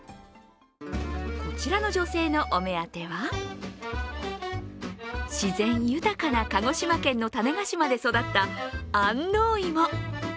こちらの女性のお目当ては、自然豊かな鹿児島県の種子島で育った安納芋。